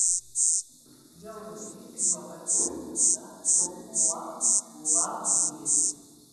Njawulo ki eri wakati w'okukkuta n'okukoowa bw'oba olya emmere?